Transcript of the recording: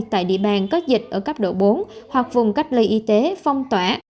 tại địa bàn có dịch ở cấp độ bốn hoặc vùng cách ly y tế phong tỏa